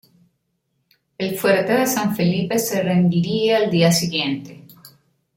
El fuerte de San Felipe se rendiría al día siguiente.